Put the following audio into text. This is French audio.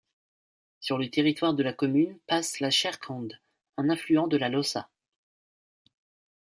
Sur le territoire de la commune passe la Scherkonde, un affluent de la Lossa.